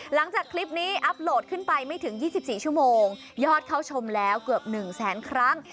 หลังจากคลิปนี้อัพโหลดขึ้นไปไม่ถึง๒๔ชั่วโมงยอดเข้าชมแล้วเกือบ๑แสนครั้ง